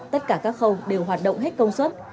tất cả các khâu đều hoạt động hết công suất